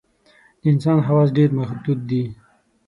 د انسان حواس ډېر محدود دي.